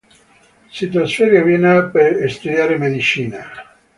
Si trasferì a Vienna per studiare medicina.